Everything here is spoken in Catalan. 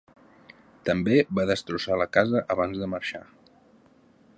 També va destrossar la casa abans de marxar.